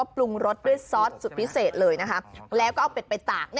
พรุนรสด้วยซ้อนทรี่สิทย์แล้วก็เอาไปตาก